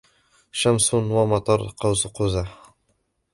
شمس ومطر, قوس قُزح.